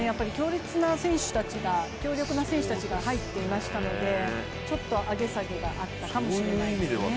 この２組が強力な選手たちが入っていましたのでちょっと上げ下げがあったかもしれないですね。